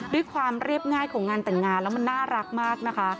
ด้วยความเรียบง่ายของงานแต่งงานแล้วมันน่ารักมากนะคะ